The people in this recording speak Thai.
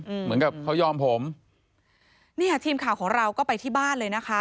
เหมือนกับเขายอมผมเนี่ยทีมข่าวของเราก็ไปที่บ้านเลยนะคะ